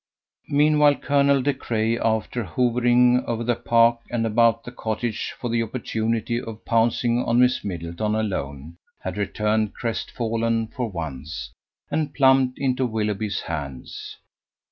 Meanwhile Colonel De Craye, after hovering over the park and about the cottage for the opportunity of pouncing on Miss Middleton alone, had returned crest fallen for once, and plumped into Willoughby's hands.